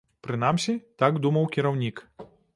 Прынамсі, так думаў кіраўнік.